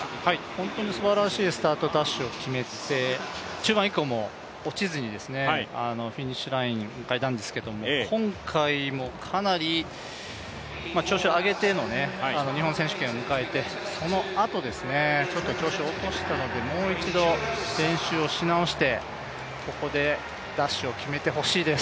本当にすばらしいスタートダッシュを決めて中盤以降も落ちずに、フィニッシュラインを迎えたんですけれども今回もかなり調子を上げての日本選手権を迎えてそのあと、ちょっと調子を落としたので、もう一度、練習をし直して、ここでダッシュを決めた欲しいです。